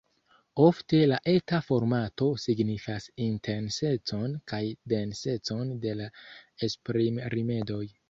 Ofte la eta formato signifas intensecon kaj densecon de la esprimrimedoj.